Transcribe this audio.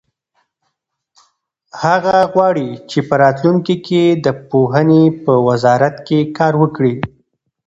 هغه غواړي چې په راتلونکي کې د پوهنې په وزارت کې کار وکړي.